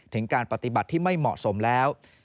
ถึงการปฏิบัติที่ไม่เหมาะสมแล้ว